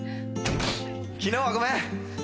昨日はごめん。